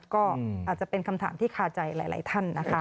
ก็อาจจะเป็นคำถามที่คาใจหลายท่านนะคะ